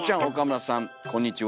こんにちは！